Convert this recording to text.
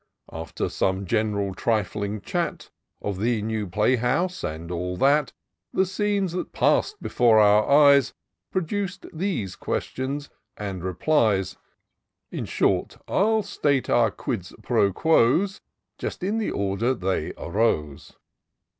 After some gen'ral trifling chat Of the new playhouse, and all that. The scenes that pass'd before our eyes Produc'd these questions and repKes : In short, I'll state our quid pro quos Just in the order they arose."